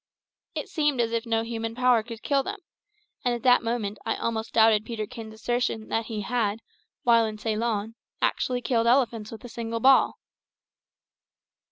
It seemed as if no human power could kill them, and at that moment I almost doubted Peterkin's assertion that he had, while in Ceylon, actually killed elephants with a single ball.